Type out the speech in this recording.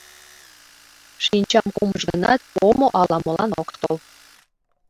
Шинчам кумыш гынат, омо ала-молан ок тол.